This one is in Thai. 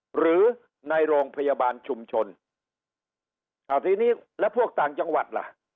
หรือในโรงพยาบาลชุมชนอ่าทีนี้แล้วพวกต่างจังหวัดล่ะ